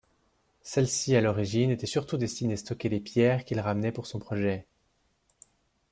Celle-ci, à l'origine était surtout destinée stocker les pierres qu'il ramenait pour son projet.